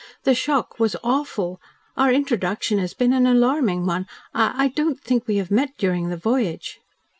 "The shock was awful. Our introduction has been an alarming one. I I don't think we have met during the voyage."